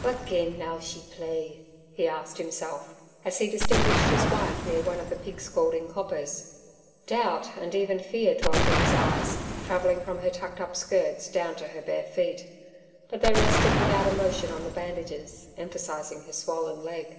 'Vot game now she play?' he asked himself, as he distinguished his wife near one of the pig scalding coppers. Doubt and even fear dwelt in his eyes, travelling from her tucked up skirts down to her bare feet. But they rested without emotion on the bandages emphasizing her swollen leg.